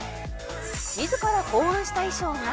「自ら考案した衣装が」